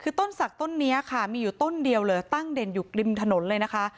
คือต้นศักดิ์ต้นนี้ค่ะมีอยู่ต้นเดียวเลยตั้งเด่นอยู่ริมถนนเลยนะคะ